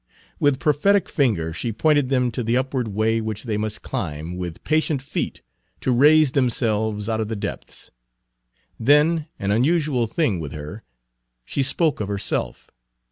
With prophetic finger she pointed them to the upward way which they must climb with patient feet to raise themselves out of the depths. Then, an unusual thing with her, she spoke of herself.